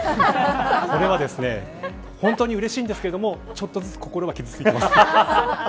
それは本当にうれしいんですけれどもちょっとずつ心が傷ついています。